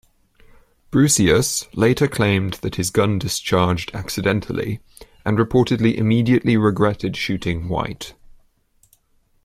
Brocius later claimed that his gun discharged accidentally and reportedly immediately regretted shooting White.